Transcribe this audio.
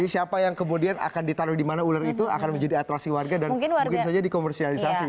siapa yang kemudian akan ditaruh di mana ular itu akan menjadi atraksi warga dan mungkin saja dikomersialisasi